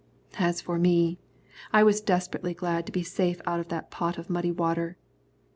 As for me, I was desperately glad to be safe out of that pot of muddy water.